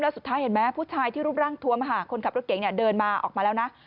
สุดท้ายเห็นไหมผู้ชายที่รูปร่างทวมคนขับรถเก๋งเดินมาออกมาแล้วนะ